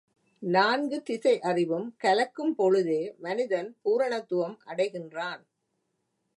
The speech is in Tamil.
நான்கு திசையறிவும் கலக்கும் பொழுதே மனிதன் பூரணத்துவம் அடைகின்றான்.